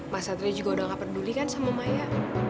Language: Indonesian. mas satria juga udah gak peduli kan sama maya